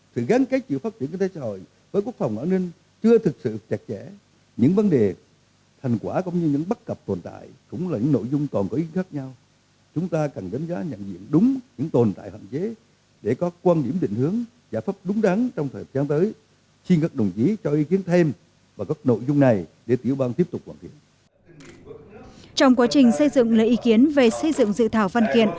trong quá trình xây dựng lời ý kiến về xây dựng dự thảo văn kiện